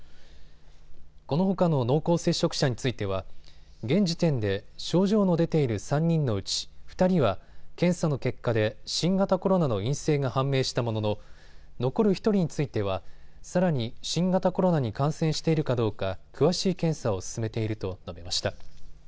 このほかの濃厚接触者については現時点で症状の出ている３人のうち２人は検査の結果で新型コロナの陰性が判明したものの残る１人についてはさらに新型コロナに感染しているかどうか、詳しい検査を進めていると述べました。